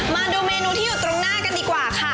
มาดูเมนูที่อยู่ตรงหน้ากันดีกว่าค่ะ